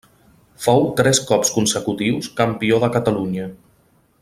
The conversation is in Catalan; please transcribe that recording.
Fou tres cops consecutius campió de Catalunya.